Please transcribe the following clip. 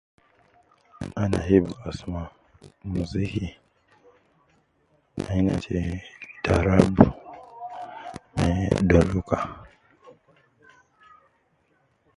Ana hibu asma muziki Aina teeh tarabu, me doluka.